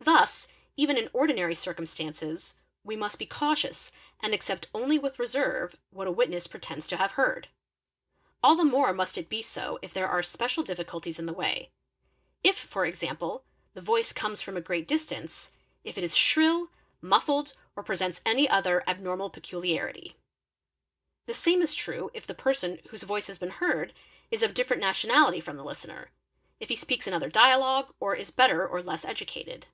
Thus even in ordinary circumstances we must be cautious and ac cept only with reserve what a witness pretends to have heard. All the more must it be so if there are special difficulties in the way,—if for example the voice comes from a great distance, if it is shrill, muffled, or ' presents any other abnormal peculiarity. The same is true if the person whose voice has been heard is of different nationality from the listener, if he speaks another dialogue, or is better or less educated.